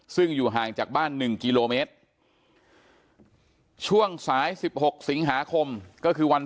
ซึ่งอยู่ห่างจากบ้าน๑กิโลเมตรช่วงสาย๑๖สิงหาคมก็คือวัน